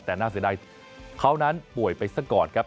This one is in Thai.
แต่น่าเสียดายเขานั้นป่วยไปซะก่อนครับ